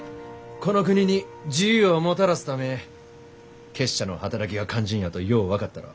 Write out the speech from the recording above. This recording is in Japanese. この国に自由をもたらすため結社の働きが肝心やとよう分かったろ？